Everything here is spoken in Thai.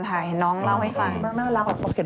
เห็นเค้าเล่าให้ฟัง